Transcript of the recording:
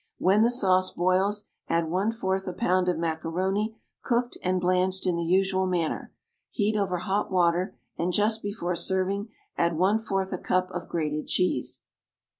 When the sauce boils, add one fourth a pound of macaroni, cooked and blanched in the usual manner; heat over hot water, and, just before serving, add one fourth a cup of grated cheese.